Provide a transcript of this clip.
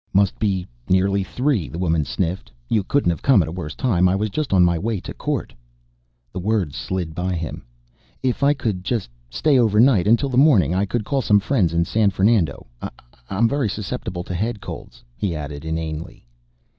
"Must be nearly three," the woman sniffed. "You couldn't have come at a worse time. I was just on my way to court " The words slid by him. "If I could just stay overnight. Until the morning. I could call some friends in San Fernando. I'm very susceptible to head colds," he added inanely.